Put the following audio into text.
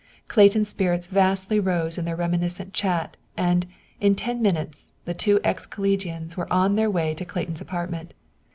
Clayton's spirits vastly rose in their reminiscent chat, and, in ten minutes, the two ex collegians were on their way to Clayton's apartment.